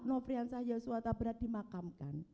nofrian syahyuswata berat dimakamkan